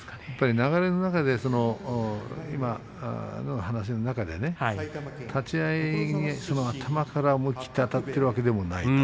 流れの中で今の話の中で立ち合い、頭から思い切ってあたっているわけでもない。